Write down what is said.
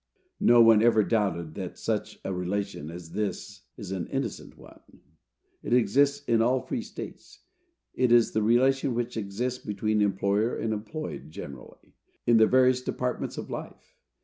No one ever doubted that such a relation as this is an innocent one. It exists in all free states. It is the relation which exists between employer and employed generally, in the various departments of life.